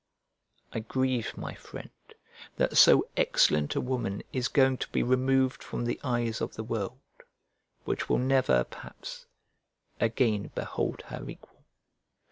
I grieve, my friend, that so excellent a woman is going to be removed from the eyes of the world, which will never, perhaps, again behold her equal.